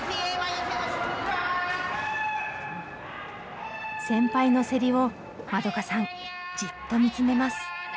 先輩の競りをまどかさんじっと見つめます。